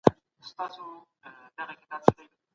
زه به سبا د لغتونو زده کړه وکړم.